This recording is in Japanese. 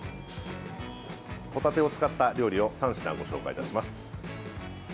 ホタテを使った料理を３品ご紹介いたします。